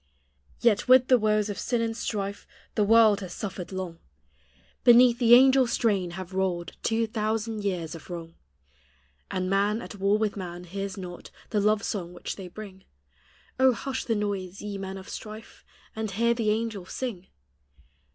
Yd with (lie woes of sin and strife The world has suffered long; Beneath the angel strain have rolled Two thousand years' of wrong; And man, at war with man, hears not The love song which they bring: O, hush the noise, ye men of strife, And hear the angels sing